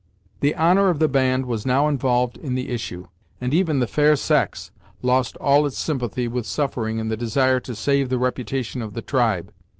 The honor of the band was now involved in the issue, and even the fair sex lost all its sympathy with suffering in the desire to save the reputation of the tribe.